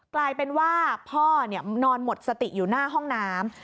กลายเป็นว่าพ่อนอนหมดสติอยู่หน้าห้องน้ำ